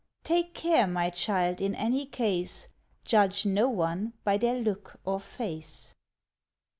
Take care, my child, in any case, Judge no one by their look or face."